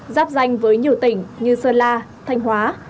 giáp danh với nhiều tỉnh như sơn la thanh hóa